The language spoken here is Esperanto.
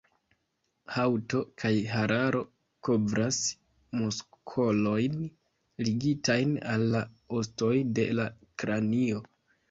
Haŭto kaj hararo kovras muskolojn ligitajn al la ostoj de la kranio.